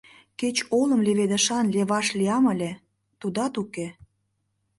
Кеч олым леведышан леваш лиям ыле, тудат уке.